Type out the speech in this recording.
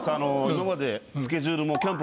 今までスケジュールも。